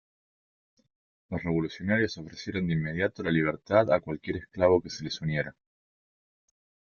Los revolucionarios ofrecieron de inmediato la libertad a cualquier esclavo que se les uniera.